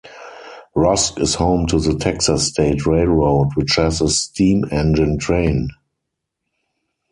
Rusk is home to the Texas State Railroad, which has a steam engine train.